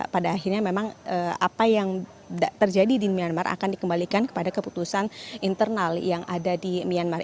pada akhirnya memang apa yang terjadi di myanmar akan dikembalikan kepada keputusan internal yang ada di myanmar